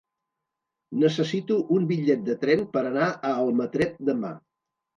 Necessito un bitllet de tren per anar a Almatret demà.